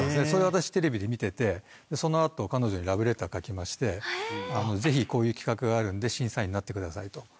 それを私テレビで見ててそのあと彼女にラブレター書きましてぜひこういう企画があるんで審査員になってくださいと。